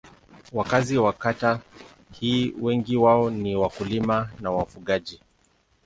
Wakazi wa kata hii wengi wao ni wakulima na wafugaji.